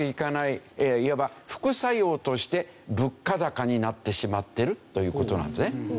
いわば副作用として物価高になってしまっているという事なんですね。